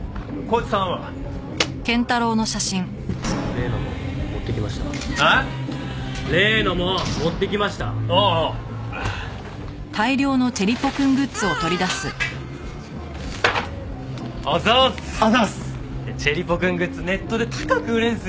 ちぇりポくんグッズネットで高く売れるんすよ！